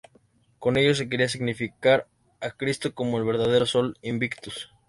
Con ello se quería significar a Cristo como el verdadero Sol invictus.